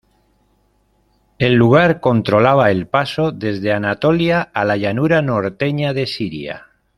El lugar controlaba el paso desde Anatolia a la llanura norteña de Siria.